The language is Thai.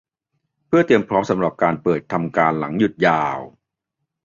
เพื่อเตรียมพร้อมสำหรับการเปิดทำการหลังหยุดยาว